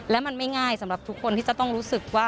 และมันไม่ง่ายสำหรับทุกคนที่จะต้องรู้สึกว่า